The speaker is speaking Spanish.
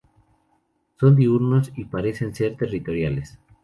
Son diurnos y parecen ser territoriales.